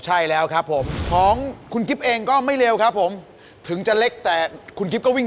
ไอ้ตัวแพงนะคะเนี่ย